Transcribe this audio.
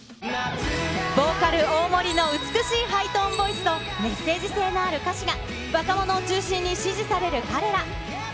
ボーカル、大森の美しいハイトーンボイスとメッセージ性のある歌詞が若者を中心に支持される彼ら。